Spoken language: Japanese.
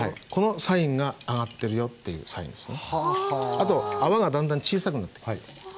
あと泡がだんだん小さくなってく。